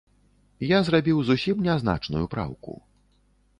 Я зрабіў зусім нязначную праўку.